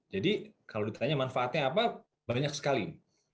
jadi kalau ditanya manfaatnya apa banyak sekali